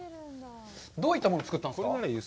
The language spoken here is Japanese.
どういったものを作ったんですか？